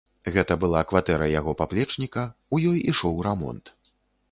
Гэта была кватэра яго паплечніка, у ёй ішоў рамонт.